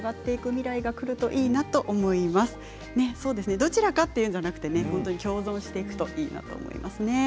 どちらかというのではなくて共存していくといいと思いますね。